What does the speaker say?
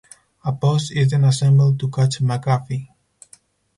A posse is then assembled to catch McGaffey.